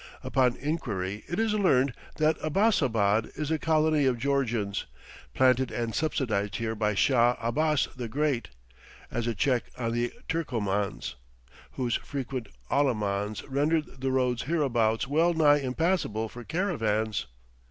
Upon inquiry it is learned that Abbasabad is a colony of Georgians, planted and subsidized here by Shah Abbas the Great, as a check on the Turkomans, whose frequent alamans rendered the roads hereabout well nigh impassable for caravans.